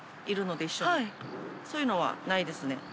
そういうのはないですね。